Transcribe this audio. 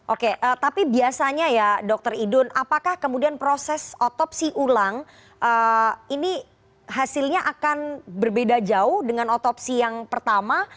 oke tapi biasanya ya dr idun apakah kemudian proses otopsi ulang ini hasilnya akan berbeda jauh dengan otopsi yang pertama